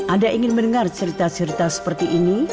anda ingin mendengar cerita cerita seperti ini